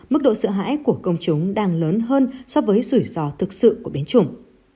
mức độ sợ hãi của công chúng đang lớn hơn so với rủi ro thực sự của biến chủng